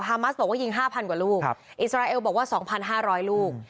ฮามัสบอกว่ายิงห้าพันกว่าลูกครับอิสราเอลบอกว่าสองพันห้าร้อยลูก